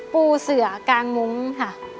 ปูเสือกางมุ้งค่ะ